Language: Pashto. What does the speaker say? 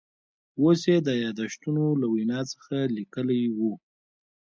اوس یې د یاداشتونو له وینا څخه لیکلي و.